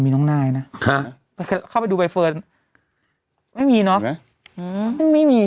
มีน้องนายนะเข้าไปดูใบเฟิร์นไม่มีเนอะไม่มี